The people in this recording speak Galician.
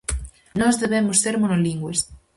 Nós debemos ser monolingües.